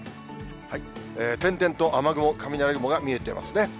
点々と雨雲、雷雲が見えてますね。